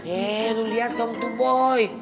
eh lo liat kamu tuh boy